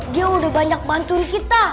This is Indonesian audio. dia udah banyak bantuin kita